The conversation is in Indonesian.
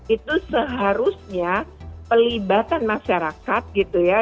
itu seharusnya pelibatan masyarakat gitu ya